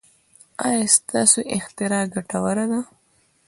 ایا ستاسو اختراع ګټوره ده؟